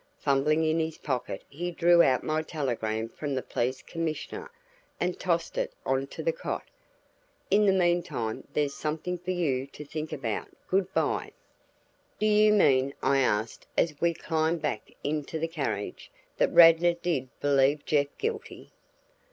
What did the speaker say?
Fumbling in his pocket he drew out my telegram from the police commissioner, and tossed it onto the cot. "In the meantime there's something for you to think about. Good by." "Do you mean," I asked as we climbed back into the carriage, "that Radnor did believe Jeff guilty?"